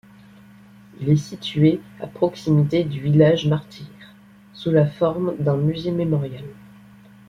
Il est situé à proximité du village martyr, sous la forme d'un musée-mémorial.